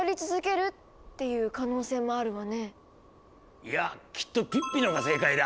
いやきっとピッピのが正解だ。